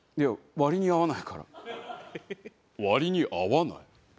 割に合わない？